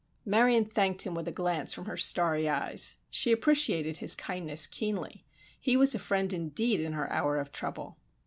Marion thanked him with a glance from her starry eyes. She appreciated his kindness keenly—he was a friend indeed in her hour of trouble.